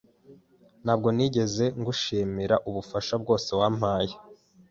Ntabwo nigeze ngushimira ubufasha bwose wampaye.